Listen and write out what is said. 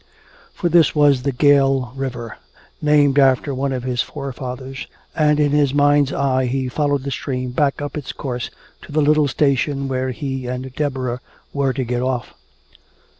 For this was the Gale River, named after one of his forefathers, and in his mind's eye he followed the stream back up its course to the little station where he and Deborah were to get off.